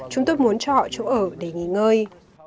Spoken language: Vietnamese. chúng tôi muốn cho họ chỗ ở để nghỉ ngơi